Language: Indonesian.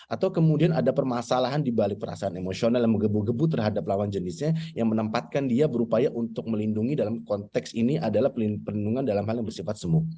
atau kemudian ada permasalahan dibalik perasaan emosional yang menggebu gebu terhadap lawan jenisnya yang menempatkan dia berupaya untuk melindungi dalam konteks ini adalah perlindungan dalam hal yang bersifat semu